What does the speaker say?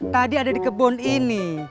tadi ada di kebun ini